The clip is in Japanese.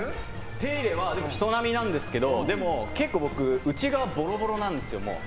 手入れは人並みなんですけどでも、結構僕内側ボロボロなんですよ。